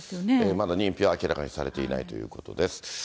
まだ認否は明らかにされていないということです。